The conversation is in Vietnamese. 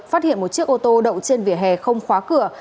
phát hiện một chiếc ô tô đậu trên vỉa hè không khóa cửa